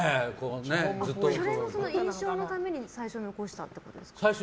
それも印象のために最初残したってことですか？